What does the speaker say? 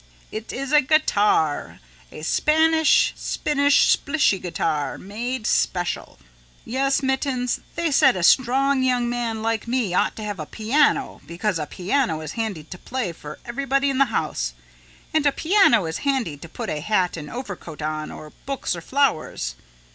It is a guitar, a Spanish Spinnish Splishy guitar made special. "Yes, mittens, they said a strong young man like me ought to have a piano because a piano is handy to play for everybody in the house and a piano is handy to put a hat and overcoat on or books or flowers.